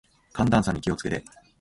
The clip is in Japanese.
寒暖差に気を付けて。